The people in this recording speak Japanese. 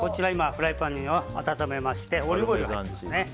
フライパンを温めましてオリーブオイルが入ってます。